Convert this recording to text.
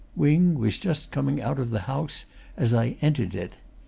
Wing was just coming out of the house as I entered it.